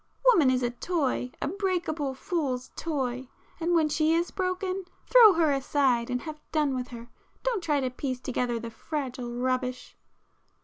Woman is a toy,—a breakable fool's toy;—and when she is broken, throw her aside and have done with her,—don't try to piece together the fragile rubbish!"